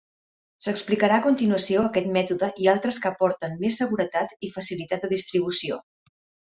S'explicarà a continuació aquest mètode i altres que aporten més seguretat i facilitat de distribució.